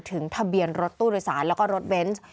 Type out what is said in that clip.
ทะเบียนรถตู้โดยสารแล้วก็รถเบนส์